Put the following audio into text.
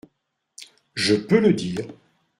Je peux le dire !…